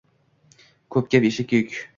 Ko'p gap eshakka yuk.